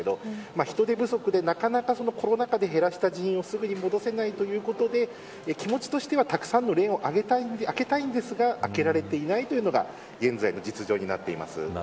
人手不足でなかなかコロナ禍で減らした人員をすぐに戻せないということで気持ちとしては、たくさんのレーンを開けたいんですが開けられていないというのが現在の実情になっています。